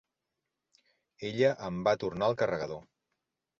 Ella em va tornar el carregador.